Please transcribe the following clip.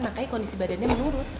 makanya kondisi badannya menurut